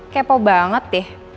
kepo banget deh